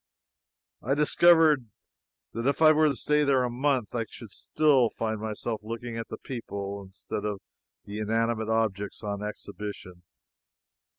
I discovered that if I were to stay there a month, I should still find myself looking at the people instead of the inanimate objects on exhibition.